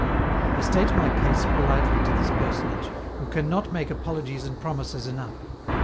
I state my case politely to this personage, who can not make apologies and promises enough.